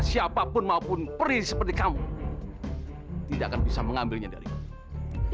siapapun maupun perintah seperti kamu tidak bisa mengambilnya dari saya